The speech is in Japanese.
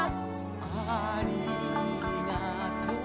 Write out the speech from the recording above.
「ありがとう」